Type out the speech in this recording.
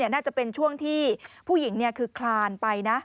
น่าจะเป็นช่วงที่ผู้หญิงคือคลานไปนะ